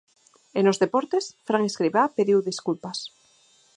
E nos deportes, Fran Escribá pediu desculpas.